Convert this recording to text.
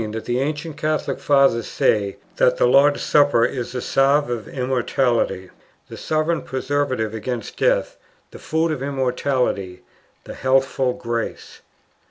That the ancient Catholic Fathers say that the "Lord's Supper" is the salve of immortality, the sovereign preservative against death, the food of immortality, the healthful grace.